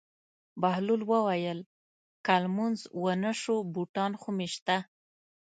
بهلول وویل: که لمونځ ونه شو بوټان خو مې شته.